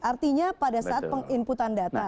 artinya pada saat penginputan data